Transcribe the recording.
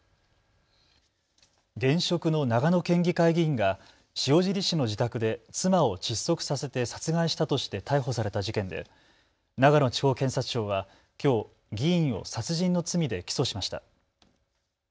現職の長野県議会議員が塩尻市の自宅で妻を窒息させて殺害したとして逮捕された事件で長野地方検察長はきょう議員を殺人の罪で起訴しました。